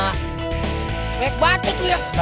ujung ujungnya itu pasti sama